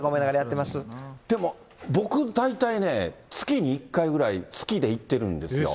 でも、僕、大体ね、月に１回ぐらい、好きで行ってるんですよ。